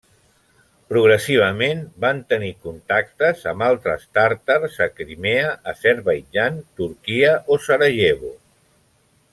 Progressivament van tenir contactes amb altres tàtars a Crimea, Azerbaidjan, Turquia o Sarajevo.